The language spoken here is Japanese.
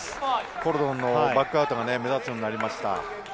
コルドンのバックアウトが目立つようになりました。